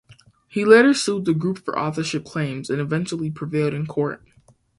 He later sued the group for authorship claims, and eventually prevailed in court.